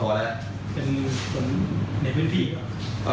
สมบัติว่าเป็นในพื้นที่หรอ